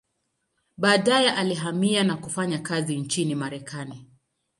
Baadaye alihamia na kufanya kazi nchini Marekani.